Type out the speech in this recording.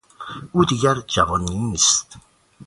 او دیگر جوان نیست.